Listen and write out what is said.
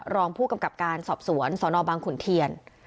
รองผู้กำกับการสอบสวนสนบางขุนเทียน